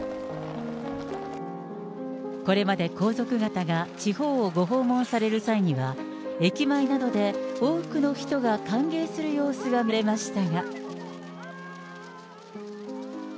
これまで皇族方が地方をご訪問される際には、駅前などで多くの人が歓迎する様子が見られましたが。